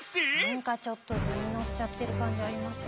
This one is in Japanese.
何かちょっと図に乗っちゃってる感じありますよ。